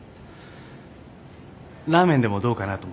ラーメンでもどうかなと思って。